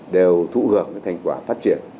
đều thủ hợp thành quả phát triển